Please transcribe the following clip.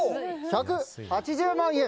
１８０万円。